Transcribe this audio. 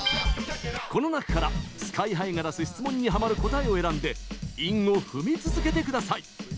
この中から、ＳＫＹ‐ＨＩが出す質問にハマる答えを選んで韻を踏み続けてください！